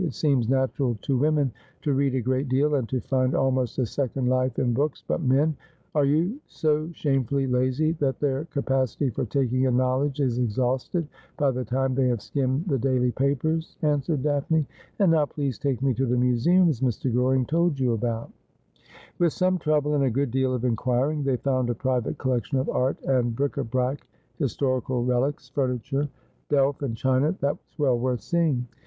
' It seems natural to women to read a great deal, and to find almost a second life in books, but men '' Are so shamefully lazy that their capacity for taking in knowledge is exhausted by the time they have skimmed the daily papers,' answered Daphne. ' And now, please, take me to the museums Mr. Goring told you about.' With some trouble, and a good deal of inquiring, they found a private collection of art and bric d hrac, historical relics, 282 Asphodel. furniture, delf, and china, that was well worth seeing.